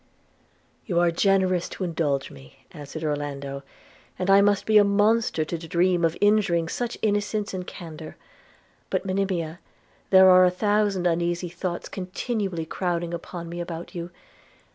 'You are generous to indulge me,' answered Orlando; 'and I must be a monster to dream of injuring such innocence and candour. But, Monimia, there are a thousand uneasy thoughts continually crowding upon me about you.